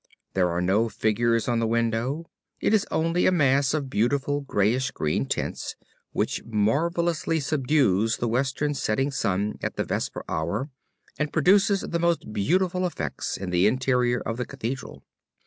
There are no figures on the window, it is only a mass of beautiful greyish green tints which marvelously subdues the western setting sun at the vesper hour and produces the most beautiful effects in the interior of the Cathedral.